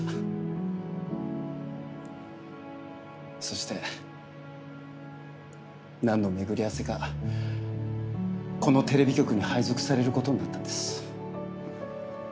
そして何の巡り合わせかこのテレビ局に配属されることになったんです。